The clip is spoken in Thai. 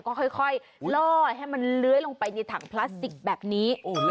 ก็ค่อยล่อให้มันเลื้อยลงไปในถังพลาสติกแบบนี้